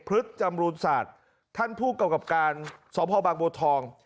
พฤษจำรวจศาสตร์ท่านผู้เก่ากับการสมภาวบางโบทอง